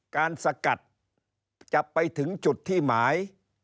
สกัดจะไปถึงจุดที่หมาย